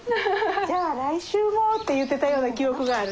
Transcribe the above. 「じゃあ来週も」って言ってたような記憶がある。